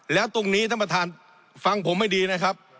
แล้วตรงนี้ท่านประธานฟังผมให้ดีนะครับ